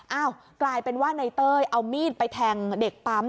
กลายเป็นว่าในเต้ยเอามีดไปแทงเด็กปั๊ม